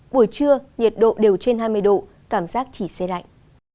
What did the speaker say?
buổi trưa nhiệt độ đều trên hai mươi độ cảm giác chỉ xe lạnh